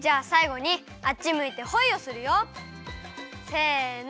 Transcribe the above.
せの！